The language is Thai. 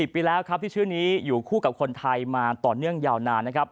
๔๐ปีแล้วที่ชื่อนี้อยู่คู่กับคนไทยมาต่อเนื่องยาวนาน